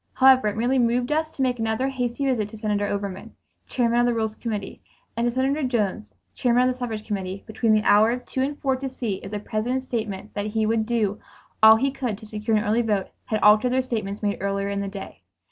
However, it merely moved us to make another hasty visit to Senator Overman, Chairman of the Rules Committee, and to Senator Jones, Chairman of the Suffrage Committee, between the hours of two and four to see if the President's statement that he would do all he could to secure an early vote had altered their statements made earlier in the day.